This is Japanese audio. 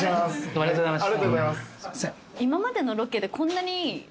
ありがとうございます。